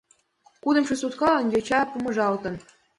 Кудымшо суткалан йоча помыжалтын.